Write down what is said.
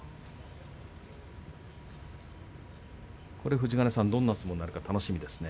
富士ヶ根さん、どんな相撲になるか楽しみですね。